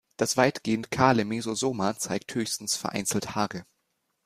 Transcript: Das weitgehend kahle Mesosoma zeigt höchstens vereinzelt Haare.